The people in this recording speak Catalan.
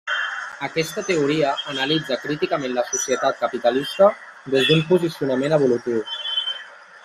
Aquesta teoria analitza críticament la societat capitalista des d’un posicionament evolutiu.